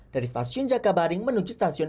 dari stasiun jakabaring menuju stasiun